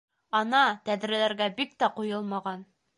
Ана, тәҙрәләргә бик тә ҡуйылмаған...